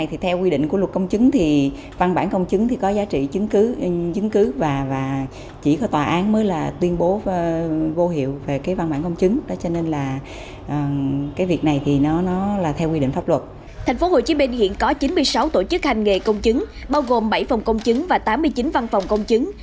tp hcm hiện có chín mươi sáu tổ chức hành nghệ công chứng bao gồm bảy phòng công chứng và tám mươi chín văn phòng công chứng